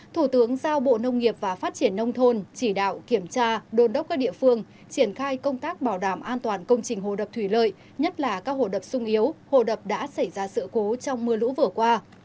thủ tướng giao bộ nông nghiệp và phát triển nông thôn chỉ đạo kiểm tra đôn đốc các địa phương triển khai công tác bảo đảm an toàn công trình hồ đập thủy lợi nhất là các hồ đập sung yếu hồ đập đã xảy ra sự cố trong mưa lũ vừa qua